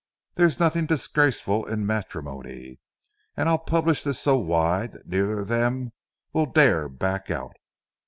There's nothing disgraceful in matrimony, and I'll publish this so wide that neither of them will dare back out.